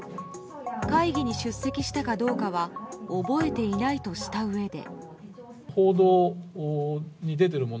会議に出席したかどうかは覚えていないとしたうえで。